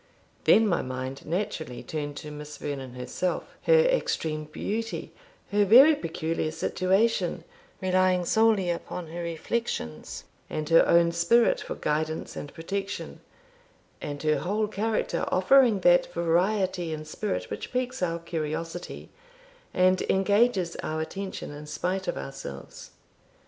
Then my mind naturally turned to Miss Vernon herself; her extreme beauty; her very peculiar situation, relying solely upon her reflections, and her own spirit, for guidance and protection; and her whole character offering that variety and spirit which piques our curiosity, and engages our attention in spite of ourselves.